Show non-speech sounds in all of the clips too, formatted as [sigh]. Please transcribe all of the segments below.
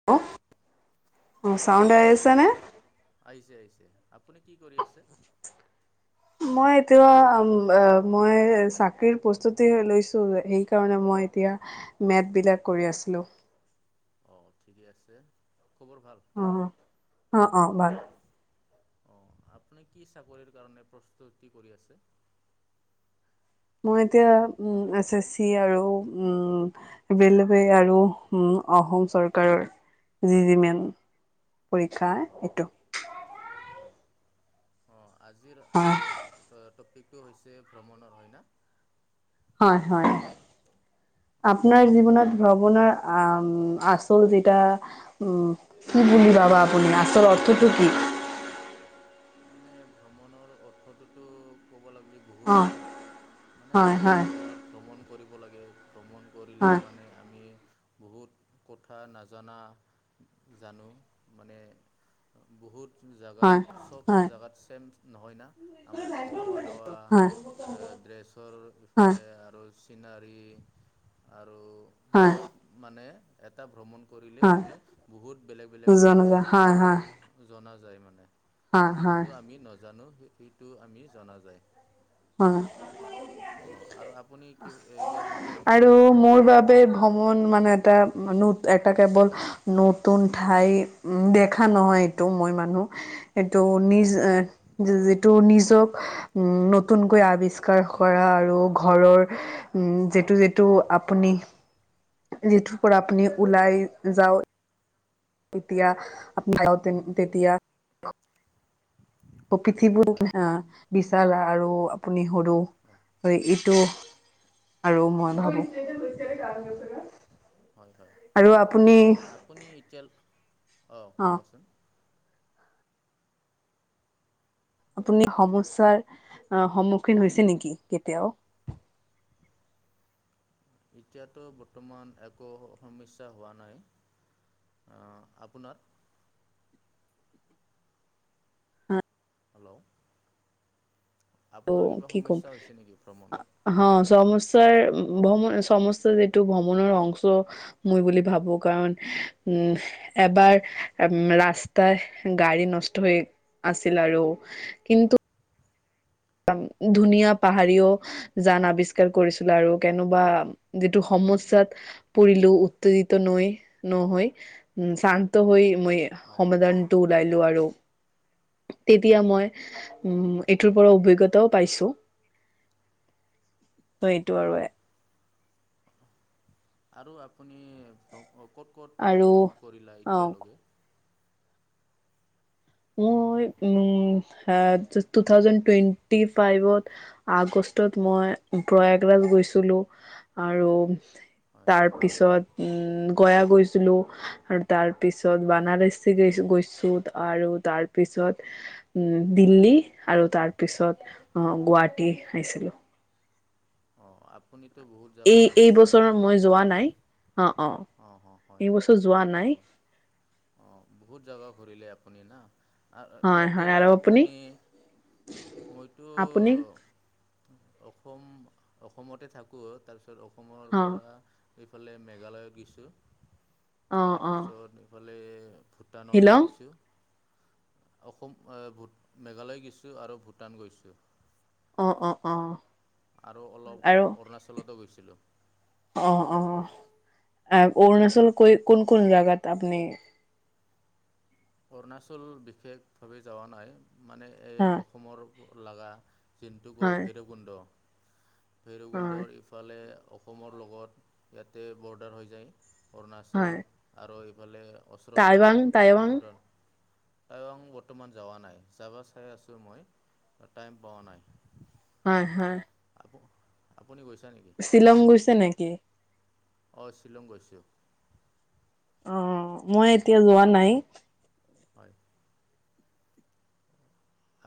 [unintelligible] অ', চাণ্ড আপুনি আহি কি কৰি আছেনে? আছে? আহিছে আহিছে আপুনি কি কৰি আছে? মই এতিয়া মই চাকৰিৰ প্ৰস্তুতি লৈছো এই কাৰণে মই এতিয়া মেথবিলাক কৰি আছিলোঁ। অ', ঠিকে আছে খবৰ ভাল? অ', অ', অ', ভাল। অ', আপুনি কি চাকৰিৰ কাৰণে প্ৰস্তুতি কৰি আছে? মই এতিয়া উম, এছ এ চি আৰু উম ৰেলৱে আৰু উম, অসম চৰকাৰৰ যি-যিমান পৰীক্ষা হয় এইটো। হয়, অ', আজিৰ হয়, আমাৰ টপিকটো হৈছে ভ্ৰমণৰ হয় ন'? হয়, হয়, অঁ আপোনাৰ জীৱনত ভ্ৰমণৰ আচল জিতা উম, কি বুলিব ভাবা আপুনি আচল অৰ্থটো কি? মানে ভ্ৰমণৰ অৰ্থটোতো ক'ব লাগিলি বহুত অ', হয়, মানে হয়, হয়। জীৱনত ভ্ৰমণ কৰিব লাগে, ভ্ৰমণ কৰিলে হয় মানে আমি বহুত কথা নজাননা জানো মানে বহুত হয় জোগাত চ'ব হয় জোগাত ছেম নহয় না। আম খাৱা-দাৱা হয় ড্ৰেছৰ হয় ইফালে আৰু চিনাৰী আৰু হয় বহুত মানে এটা ভ্ৰমণ কৰিলে হয় আমি বহুত বেলেগ বেলেগ নোযোৱা কথা নোযোৱা হয় নজ হয় জনা যায় মানে, হয় হয় জোনটো আমি নাজানো সেইটো আমি জনা যায়। অ', হয় আৰু আপুনি কি ইয়াৰ বিষয়ে কিবা কৰিব বেই ভ্ৰমণ মানে এটা মানুহ এটা কেৱল নতুন ঠাই উ দেখা নহয় এইটো মই মানুহ। এইটো হয় নিজ এ যিটো নিজক উ ন তুনকৈ আৱিষ্কাৰ কৰা আৰু ঘৰৰ যেটো যেটো আপুনি যিটো পৰা আপুনি হয় ওলাই যাওঁ। তেতিয়া আপোনাৰ তেতিয়া প্ৰকীতিবোৰ হয় হা বিচাৰা আৰু আপুনি সৰু হয়। হয় ইটো আৰু মই ভাবোঁ। হয় হয়। আৰু আপুনিহ আপুনি এতিয়াল অ', কোৱাচোন। আপুনি সমস্যাৰ সন্মুখীন হৈছে নেকি কেতিয়াও। এতিয়াতো বৰ্তমান একো হ সমস্যা হোৱা নাই। আ আপোনাৰ? হেল্ল আপোনাৰ ত' কিবা কি ক'ম সমস্যা হৈছে নেকি ভ্ৰমণত। হ', সমস্যাৰ ভ্ৰমণ সমস্যাৰ যিটো ভ্ৰমণৰ অংচো মই বুলি ভাবো কাৰণ উম এবাৰ এম ৰাস্তাই গাড়ী নষ্ট হৈ আছিল আৰু কিন্তু দম ধুনীয়া পাহাৰিঅ জান আৱিষ্কাৰ কৰিছিলো আৰু কেনোবা যিটো সমস্যাত পৰিলো উত্তেজিত নৈ নহই উ চান্ত হৈ মৈ হয় সমাধানটো ওলাই লো আৰু তেতিয়া মই অঁ উম এইটোৰ ঠিকেই পৰা অভিজ্ঞতাও পাইছো। ত এইটো হয় আৰু আৰু আপুনি ভ্ৰম অ ক'ত ক'ত আৰু ভ্ৰমণ কৰিলা অ এতিয়ালৈকে। মই উ আ টো থাউজেণ্ড টুৱেন্টি ফাইভত আগষ্টত মই প্ৰয়াগৰাজ গৈছিলো আৰু হয় তাৰ পিছত উম গয়া গৈছিলো আৰু তাৰ পিছত হয় বানাৰাইচ চিগ গৈছ গৈছোঁ আৰু তাৰপিছত উম দিল্লী আৰু তাৰ পিছত অ', গুৱাহাটী আহিছিলো। অ', আপুনিতো বহুত এই জেগা এই ঘূৰিছে বছৰত মই যোৱা নাই অ', অ', অঁ অঁ এইবছৰ যোৱা নাই। অ', বহুত জাগা ঘূৰিলে আপুনি না আ অ হয় ইয়াতে হয় আৰু আপুনি মইতো আপুনি অসম অসমতে থাকোঁ তাৰপিছ ছত অসমৰ অ পৰা এইফালে মেঘালয় গৈছোঁ অ অ তাৰপিছত এ ফালে ভূটানত শ্বিলং গৈছোঁ। অসম এ ভূ মেঘালয় গৈছোঁ আৰু ভূটান গৈছোঁ। অ', অ', অ'। আৰু অলপ আৰু অৰুণাচলতো গৈছিলোঁ। অ', অ' অৰুণাচল কই কোন কোন জাগাত আপুনি অৰুণাচল বিশেষভাৱে যাৱা নাই মানে এই হয় অসমৰ লাগা জিণ্টু কৈ হয় ভৈৰৱকুণ্ড হয় ভৈৰৱকুণ্ডৰফ ফালে অসমৰ লগত ইয়াতে বৰ্ডাৰ হৈ যায় হয় অৰুণাচল আৰু এইফালে ওচৰতে টাইৱাং আৰু টাইৱাং ভূটানৰ বোৰ্ডৰ। টাৱাং বৰ্তমান যোৱা নাই, যাব চাই আছোঁ মই টাইম পোৱা নাই। হয় হয়। আপ-আপুনি গৈছে নেকি? শ্বিলং গৈছে নেকি? অ শ্বিলং গৈছোঁ। অ মই এতিয়া যোৱা নাই। হয়।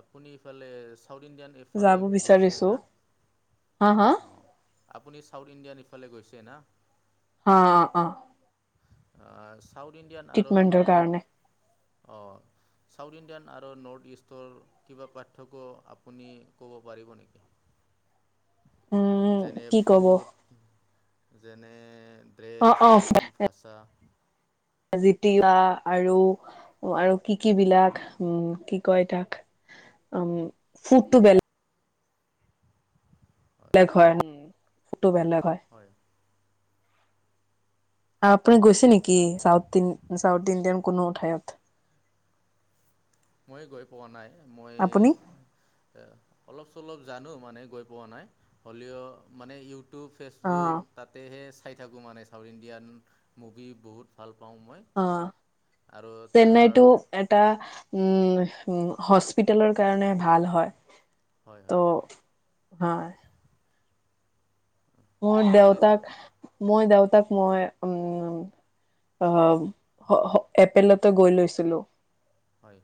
আপুনি ইফালে চাউথ ইণ্ডিয়ান এফ ইফালে যাব গৈছে হয় বিচাৰিছো। ন হা হা অ। আপুনি চাউথ ইণ্ডিয়ান ইফালে গৈছে না? অ অ অ। আ ছাউথ ইণ্ডিয়ান আৰু ট্ৰিটমেন্টৰ আমাৰ কাৰণে নৰ্থ, অ। ছাউথ ইণ্ডিয়ান আৰু নৰ্থ-ইষ্টৰ কিবা পাৰ্থক্য আপুনি ক'ব পাৰিব নেকি? [inaudible] উম যেনে কি কব ফুড, যেনে অ ড্ৰেছ কি [inaudible] জীতিয়া আৰু আৰু কি কি বিলাক উম কি কয় তাক উম ফডটো বেলেগ হয় নে ফটো বেলেগ হয়। হয়। আপুনি গৈছে নেকি চাউথ ইন চাউথ ইণ্ডিয়ান কোনো ঠাইত? মই গৈ পোৱা নাই, আপুনি মই অলপ-চলপ জানো মানে গৈ পোৱা নাই। হ'লেও মানে ইউ টিউব, অ ফেচবুক তাতেহে চাই থাকোঁ মানে চাউথ ইণ্ডিয়ান মুভি বহুত ভাল পাওঁ মই। অ আৰু তাহাৰ চেন্নাইটো এটা উম হস্পিতেলৰ কাৰণে ভাল হয়। হয় ত হয় হয়। মোৰ তাতে দেউতাক, মই দেউতাক মই উম অ হ-হ এপেলতে গৈ লৈছিলো। হয়।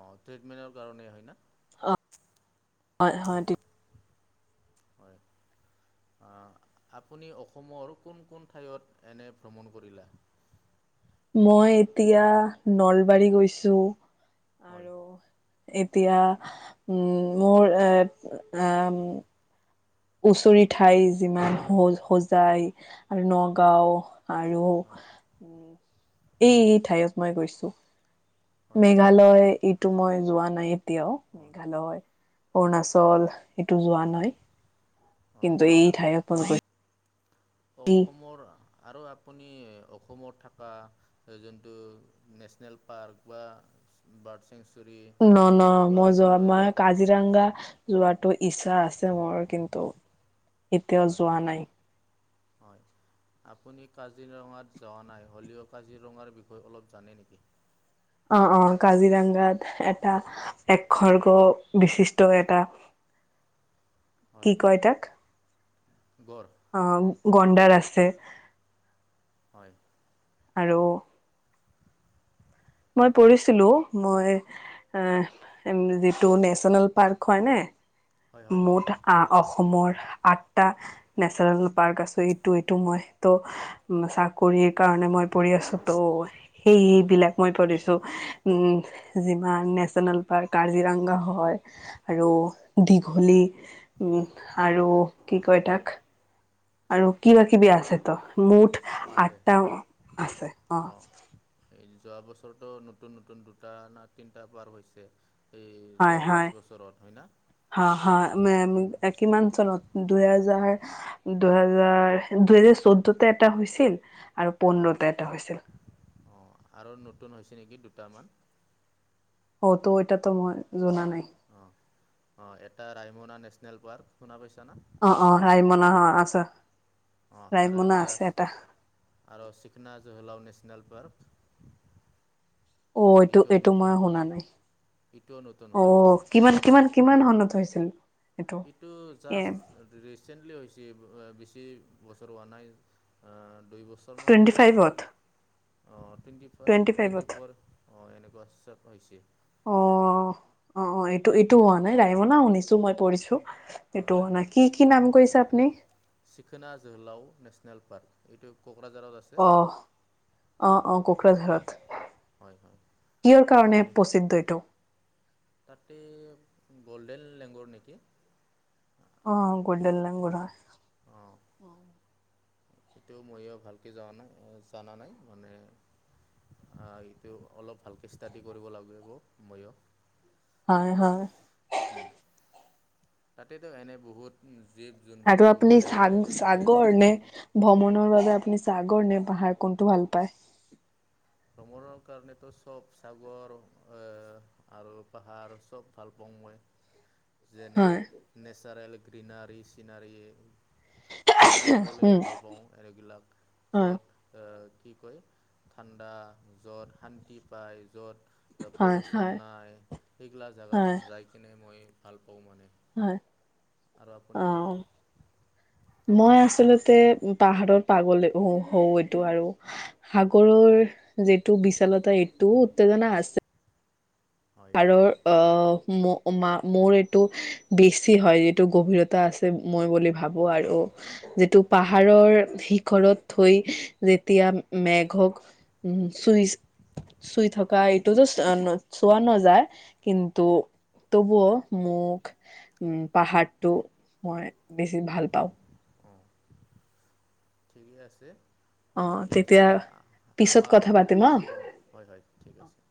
অ ট্ৰিতমেণ্টৰ কাৰণেই হয় না? অ হয় হয় অঁ ট্ৰীট হয়। আ আপুনি অসমৰ কোন কোন ঠাইত এনে ভ্ৰমণ কৰিলা? মই এতিয়া নলবাৰী গৈছো হয়। আৰু এতিয়া উম মোৰ এ ওচৰে ঠাই যিমান হো-হোজায় হয় নগাঁও আৰু হয় উম এই ঠাইত মই গৈছো। হয় মেঘালয় ইটো মই যোৱা নাই এতিয়াও। মেঘালয়, অৰুণাচল এইটো যোৱা অঁ নাই, কিন্তু এই অঁ অঁ ঠাইত মই অসমৰ আৰু আপুনি অসমত থকা যোনটো নেচনেল পাৰ্ক বা বাৰ্ড চেংচুু [unintelligible] মই যোৱা মই, কাজিৰঙা যোৱাটো ইচ্ছা আছে মোৰ কিন্তু এতিয়াও হয় যোৱা নাই হয়, আপুনি কাজিৰঙাত যোৱা নাই, হ'লেও কাজিৰঙাৰ বিষয়ে অলপ জানে নেকি অ অ কাজিৰঙ্গাত এটা একসৰ্গ বিশিষ্ট এটা [unintelligible] কি হয় কয় তাক, গড় অঁ গণ্ডাৰ আছে। হয় আৰু মই পঢ়িছিলো মই। এহ যিটো নেচনেল পাৰ্ক হয় নে হয় হয় মুঠ আ অসমৰ আঠটা নেচনেল পাৰ্ক আছে এইটো এইটো মই তোৰ। চাকৰিৰ কাৰণে মই পঢ়ি আছো ত সেইবিলাক চ' উম, যিমান নেচনেল পাৰ্ক, কাজিৰঙা হয়। আৰু দীঘলী উম আৰু কি কয় তাক। আৰু কিবা কিবি আছেতো মুঠ অঁ আছে আঠটা আছে অ'। অঁ এই যোৱা বছৰতো নতুন নতুন দুটা না তিনিটা পাৰ হৈছে। এই যোৱা হয় হয় পাঁচ বছৰত হয় না উম। মাঞ্চলত। দুহেজাৰ দুহেজাৰ দুহেজাৰ চৌধতে এটা হৈছিল আৰু পোন্ধৰত এটা হৈছিল। অ' আৰু নতুন হৈছে নেকি দুটামান। হ তো এতিয়াতো মই জনা নাই। অ', অ এটা ৰায়মনা নেশ্যনেল পাৰ্ক শুনা পাইছানা? অ অ ৰাইমনা হ আছে। অ' আৰু ৰাইমনা এটা আছে আৰু চিকনা জহলাও নেশ্যনেল পাৰ্ক। অ' এইটো এইটোও এইটো মই নতুন শুনা নাই, এইটোও নতুন হয় অ'। কিমান কিমান কিমান চনত হৈছিল? এইটো এ জাষ্ট ৰি ছেণ্টলি হৈছে এইবোৰ বেছি বছৰ হোৱা নাই, আ দুই বছ ছৰ মান টুৱেণ্টি হৈছে নেকি, ফাইভত অ' twenty five twenty four অ' এনেকোৱা হৈছে। অ অ অ এইটো এইটো হোৱা নাই ৰাাইমনা শুনিছো মই পঢ়িছো। এইটো হয় হোৱা নাই, কি কি নাম কৈছে আপুনি? চিকনা জহেলাও নেচনেল পাৰ্ক, এইটো কোকৰাঝাৰত আছে। অহ অ অ কোকৰাঝাৰত। হয় হয় কিহৰ কাৰণে আপুনি প্ৰসিদ্ধ এইটো? তাতে গল্ডেন লেংগৰ নেকি অ' গল্ডেন লেংগৰ হয়। অ সেইটো ময়ো ভালকে জয়া নাই জানা নাই মানে আ এইটো অলপ ভালকৈ ষ্টাডি কৰিব লাগিব ময়ো। হয় হয়। তাতেতো এনে বহুত জীৱ জন্তু আৰু আপুনি বেলেগ বেলেগ থাকে। সাগ-সাগৰ নে ভ্ৰমণৰ বাবে আপুনি সাগৰ নে পাহাৰ কোনটো ভাল পায়? ভ্ৰমণৰ কাৰণেতো চব সাগৰ এ আৰু পাহাৰ চব ভাল পাওঁ মই। যেনে হয়, নেচাৰেল গ্ৰীনাৰ চিনাৰি। খুব চাবলৈ উম, ভাল পাওঁ এনেগিলাক হয়, য'ত এ কি কয় ঠাণ্ডা য'ত শান্তি পায় য'ত যত হয়, পলিউচন হয়, নাই সেইগিলা জেগাত হয়, যাই কিনে মই ভাল পাওঁ মানে। হয় আৰু আপুনি অ মই আচলতে পাহাৰত পাগল হওঁ এইটো আৰু। সাগৰৰ যিটো বিশালতা এইটোও উত্তেজনা আছে। হয় পাহাৰৰ অহ ম মোৰ এইটো বেছি হয় যিটো গভীৰতা আছে। মই বুলি ভাবোঁ আৰু যিটো পাহাৰৰ শিখৰত থৈ যেতিয়া মেঘক উ চুইচ চুই থকা এইটোতো অ চোৱা হয় নাযায়। কিন্তু তবুঅ মোক উম পাহাৰটো মই বেছি ভাল পাওঁ। অঁ ঠিকেই আছে। অ এতিয়া পিছত আমাৰ কথা পাতিম হা অ হয় হয় ঠিক আছে।